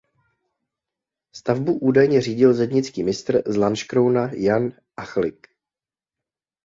Stavbu údajně řídil zednický mistr z Lanškrouna Jan Achlig.